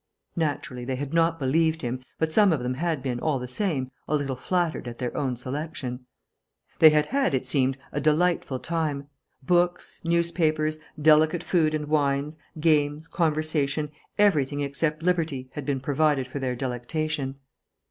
Naturally, they had not believed him, but some of them had been, all the same, a little flattered at their own selection. They had had, it seemed, a delightful time. Books, newspapers, delicate food and wines, games, conversation, everything except liberty, had been provided for their delectation.